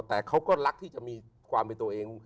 แต่เขาก็รักที่จะมีความเป็นตัวเอง